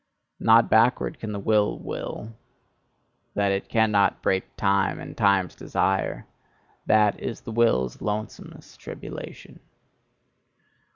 Not backward can the Will will; that it cannot break time and time's desire that is the Will's lonesomest tribulation.